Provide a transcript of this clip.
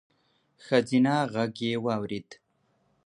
ښځينه غږ يې واورېد: